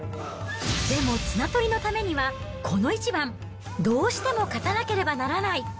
でも綱取りのためには、この一番、どうしても勝たなければならない。